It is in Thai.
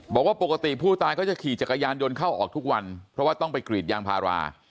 บอกว่าปกติผู้ตายก็จะขี่จักรยานยนต์เข้าออกทุกวันเพราะว่าต้องไปกรีดยางพารา